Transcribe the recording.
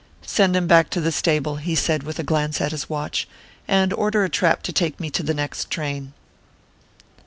"Send him back to the stable," he said with a glance at his watch, "and order a trap to take me to the next train."